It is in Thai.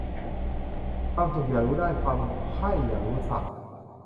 ความสุขอย่ารู้ได้ ความไข้อย่ารู้สร่าง